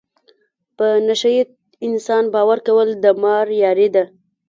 په نشه یې انسان باور کول د مار یاري ده.